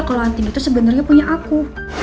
kalau anting itu sebenernya punya aku